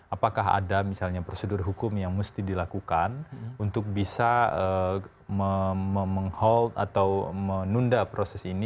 apakah ada misalnya prosedur hukum yang mesti dilakukan untuk bisa menghold atau menunda proses ini